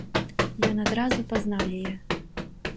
Ён адразу пазнаў яе.